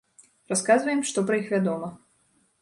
Расказваем, што пра іх вядома.